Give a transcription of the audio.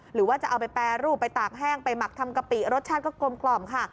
หรือว่าจะเอาไปแปรรูปไปตากแห้งไปหมักทำกะปิรสชาติก็กลมกล่อมค่ะ